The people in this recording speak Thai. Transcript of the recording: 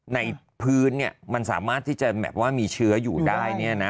ในพื้นเนี่ยมันสามารถที่จะแบบว่ามีเชื้ออยู่ได้เนี่ยนะ